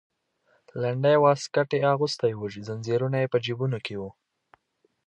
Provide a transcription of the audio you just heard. لنډی واسکټ یې اغوستی و چې زنځیرونه یې په جیبونو کې وو.